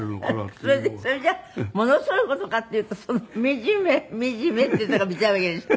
それじゃあものすごい事かっていうとその「みじめみじめ」っていうとこが見たいわけでしょ？